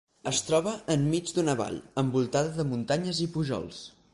Es troba enmig d'una vall, envoltada de muntanyes i pujols.